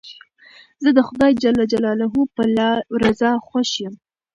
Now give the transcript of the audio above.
زه د خدای جل جلاله په رضا خوښ یم.